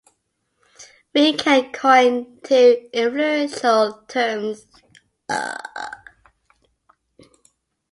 Wyneken coined two influential terms.